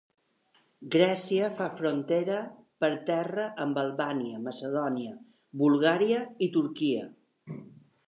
Grècia fa frontera per terra amb Albània, Macedònia, Bulgària i Turquia.